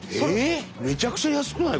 めちゃくちゃ安くない？